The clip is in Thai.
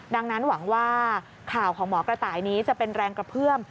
ดังนั้นหวังว่าข่าวของหมอกระต่ายนี้จะเป็นแรงกระเพื่อม